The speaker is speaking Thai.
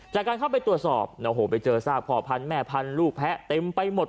จากการเข้าไปตรวจสอบโอ้โหไปเจอซากพ่อพันธุ์แม่พันธุ์ลูกแพ้เต็มไปหมด